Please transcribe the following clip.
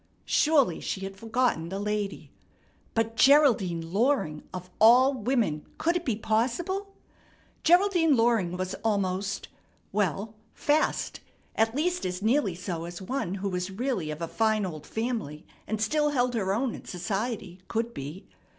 Surely she had forgotten the lady. But Geraldine Loring! Of all women! Could it be possible? Geraldine Loring was almost well, fast, at least, as nearly so as one who was really of a fine old family, and still held her own in society, could be.